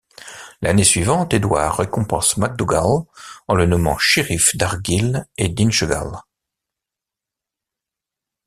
L'année suivante Édouard récompense MacDougall en le nommant sheriff d'Argyll et d'Inchegall.